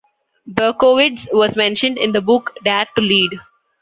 Berkowitz was mentioned in the book Dare to Lead!